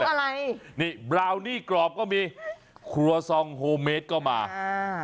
อะไรนี่บราวนี่กรอบก็มีครัวซองโฮเมดก็มาอ่า